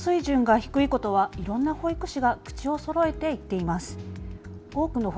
給与水準が低いことはいろんな保育士が口をそろえて言っています。